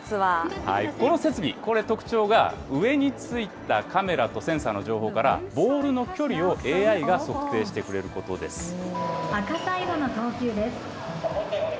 この設備、これ特徴が上についたカメラとセンサーの情報から、ボールの距離をＡＩが測定してく赤サイドの投球です。